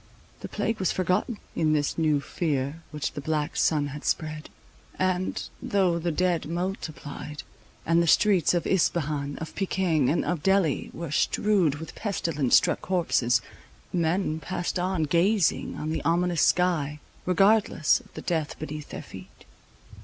The plague was forgotten, in this new fear which the black sun had spread; and, though the dead multiplied, and the streets of Ispahan, of Pekin, and of Delhi were strewed with pestilence struck corpses, men passed on, gazing on the ominous sky, regardless of the death beneath their feet.